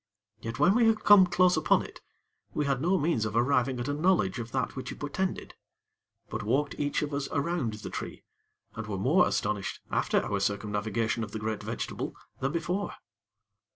Yet, when we had come close upon it, we had no means of arriving at a knowledge of that which it portended; but walked each of us around the tree, and were more astonished, after our circumnavigation of the great vegetable than before.